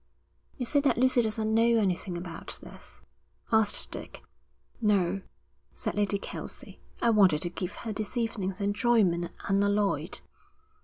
'You say that Lucy doesn't know anything about this?' asked Dick. 'No,' said Lady Kelsey. 'I wanted to give her this evening's enjoyment unalloyed.'